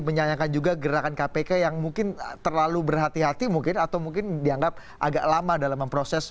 menyayangkan juga gerakan kpk yang mungkin terlalu berhati hati mungkin atau mungkin dianggap agak lama dalam memproses